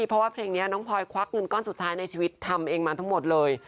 เพราะว่าเพลงนี้น้องพลอยควักเงินก้อนสุดท้ายในชีวิตทำเองมาทั้งหมดเลย